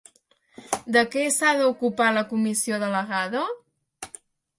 De què s'ha d'ocupar la comissió delegada?